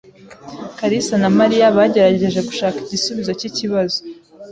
kalisa na Mariya bagerageje gushaka igisubizo cyikibazo